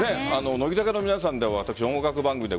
乃木坂の皆さんも私、音楽番組で